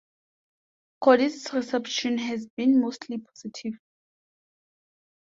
Cody's reception has been mostly positive.